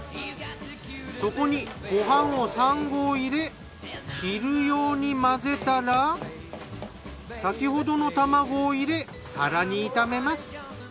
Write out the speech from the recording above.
そこにご飯を３合入れ切るように混ぜたら先ほどの卵を入れ更に炒めます。